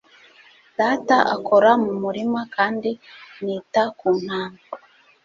Data akora mu murima, kandi nita ku ntama.